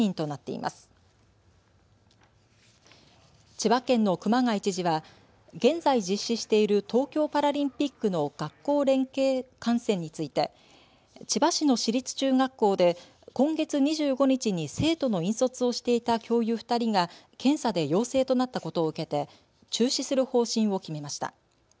千葉県の熊谷知事は現在、実施している東京パラリンピックの学校連携観戦について千葉市の市立中学校で今月２５日に生徒の引率をしていた教諭２人が検査で陽性となったことを受けて中止する方針を決めました。